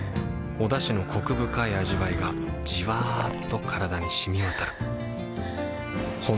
おだしのコク深い味わいがじわっと体に染み渡るはぁ。